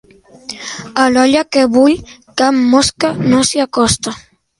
A l'olla que bull cap mosca no s'hi acosta.